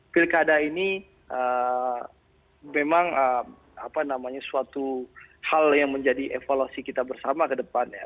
pilkada ini memang suatu hal yang menjadi evaluasi kita bersama ke depannya